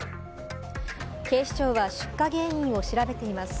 警視庁は出火原因を調べています。